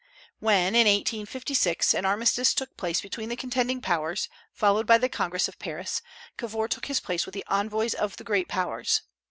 When, in 1856, an armistice took place between the contending Powers, followed by the Congress of Paris, Cavour took his place with the envoys of the great Powers.